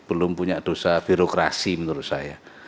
belum punya dosa birokrasi menurut saya